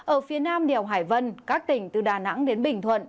ở phía nam đèo hải vân các tỉnh từ đà nẵng đến bình thuận